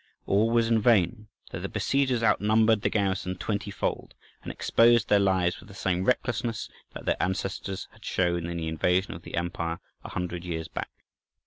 All was in vain, though the besiegers outnumbered the garrison twenty fold, and exposed their lives with the same recklessness that their ancestors had shown in the invasion of the empire a hundred years back.